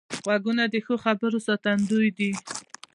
غوږونه د ښو خبرو ساتندوی دي